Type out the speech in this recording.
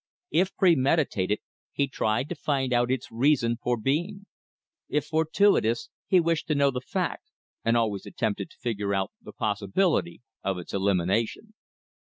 If premeditated, he tried to find out its reason for being. If fortuitous, he wished to know the fact, and always attempted to figure out the possibility of its elimination.